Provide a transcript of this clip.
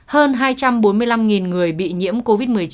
hơn hai trăm bốn mươi năm người bị nhiễm covid một mươi chín